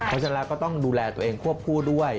เพราะฉะนั้นแล้วก็ต้องดูแลตัวเองควบคู่ด้วย